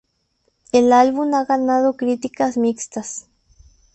El álbum ha ganado críticas mixtas.